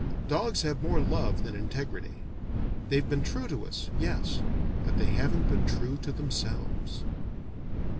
Dogs have more love than integrity. They've been true to us, yes, but they haven't been true to themselves.